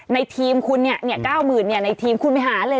ในทีมคุณเนี่ย๙หมื่นเนี่ยในทีมคุณไปหาเลย